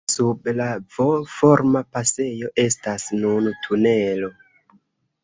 Sub la V-forma pasejo estas nun tunelo.